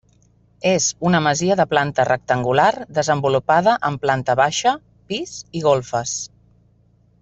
És una masia de planta rectangular desenvolupada en planta baixa, pis i golfes.